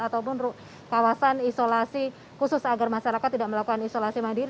ataupun kawasan isolasi khusus agar masyarakat tidak melakukan isolasi mandiri